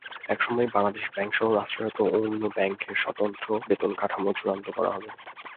একই সময়ে বাংলাদেশ ব্যাংকসহ রাষ্ট্রায়ত্ত অন্য ব্যাংকের স্বতন্ত্র বেতনকাঠামোও চূড়ান্ত করা হবে।